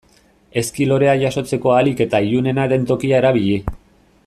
Ezki lorea jasotzeko ahalik eta ilunena den tokia erabili.